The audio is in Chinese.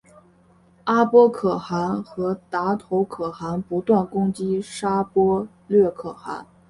阿波可汗和达头可汗不断攻击沙钵略可汗。